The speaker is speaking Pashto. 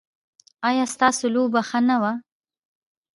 ایا ستاسو لوبه ښه نه ده؟